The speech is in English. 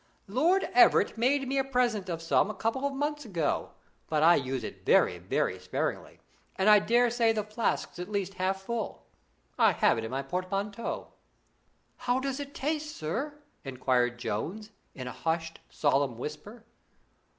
Lord Everett made me a present of some a couple of months ago, but I use it very, very sparingly, and I daresay the flask's at least half full. I have it in my portmanteau.' 'How does it taste, sir?' enquired Jones, in a hushed, solemn whisper.